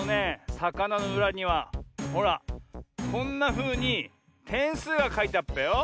さかなのうらにはほらこんなふうにてんすうがかいてあっぺよ。